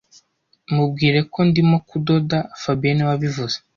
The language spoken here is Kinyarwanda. Mubwire ko ndimo kudoda fabien niwe wabivuze